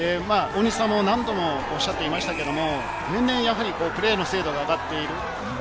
大西さんも何度もおっしゃっていましたけれど、年々プレーの精度が上がっている。